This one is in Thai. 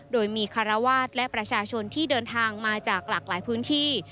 โดยมีคารวาสและประชาชนที่เดินทางมาจากหลากหลายพื้นที่